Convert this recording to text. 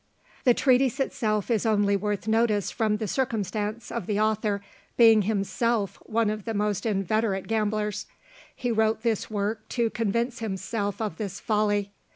The treatise itself is only worth notice from the circumstance of the author being himself one of the most inveterate gamblers; he wrote this work to convince himself of this folly.